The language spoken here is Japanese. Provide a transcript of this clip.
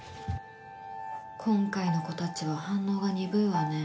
今回の子たちは反応が鈍いわね。